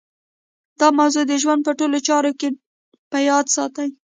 دا موضوع د ژوند په ټولو چارو کې په ياد ساتئ.